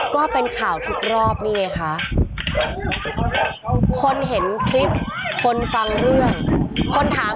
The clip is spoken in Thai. ก็เป็นข่าวทุกรอบนี่ไงคะคนเห็นคลิปคนฟังเรื่องคนถาม